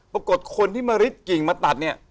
ปรากฏคนที่มาริดกิ่งมาตัดเนี่ย